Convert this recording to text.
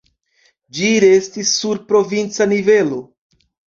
Ĝi restis sur provinca nivelo.